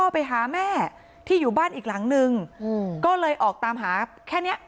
ไปหาแม่ที่อยู่บ้านอีกหลังนึงก็เลยออกตามหาแค่เนี้ย